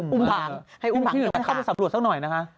อุ้มผังให้อุ้มผังด้วยการข้าวเหล่าหน่วยนะคะ